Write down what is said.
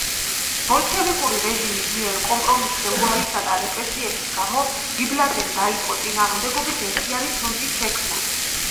ბოლშევიკური რეჟიმის მიერ კომპრომისზე უარისა და რეპრესიების გამო ჯიბლაძემ დაიწყო წინააღმდეგობის ერთიანი ფრონტის შექმნა.